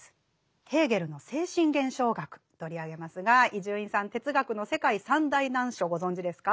ヘーゲルの「精神現象学」取り上げますが伊集院さん哲学の世界三大難書ご存じですか？